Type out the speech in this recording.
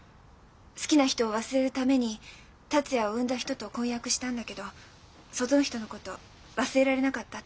「好きな人を忘れるために達也を産んだ人と婚約したんだけどその人のこと忘れられなかった」